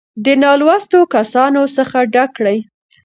دې نـالـوسـتو کسـانـو څـخـه ډک کـړي.